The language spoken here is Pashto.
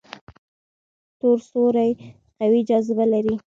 تور سوري قوي جاذبه لري.